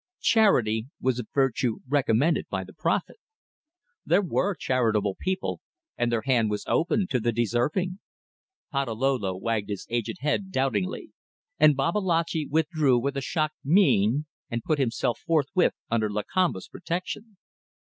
Charity was a virtue recommended by the Prophet. There were charitable people, and their hand was open to the deserving. Patalolo wagged his aged head doubtingly, and Babalatchi withdrew with a shocked mien and put himself forthwith under Lakamba's protection.